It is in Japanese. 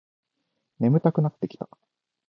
眠たくなってきた